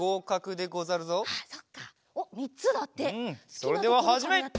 それでははじめ！